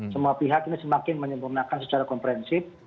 semua pihak ini semakin menyempurnakan secara komprehensif